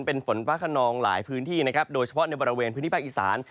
เป็นฝนฟ้าคเราลายพื้นที่โดยเฉพาะในบริเวณพื้นที่ภาคอิสาน